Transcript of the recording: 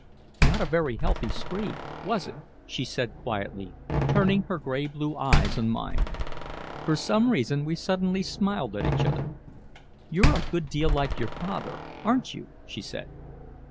"Not a very healthy spree, was it?" she said quietly, turning her gray blue eyes on mine. For some reason we suddenly smiled at each other. "You're a good deal like your father aren't you?" she said.